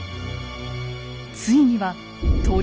ついには鳥